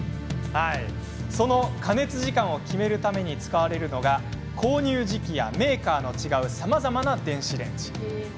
その加熱時間を決めるために使われるのが購入時期やメーカーの違うさまざまな電子レンジ。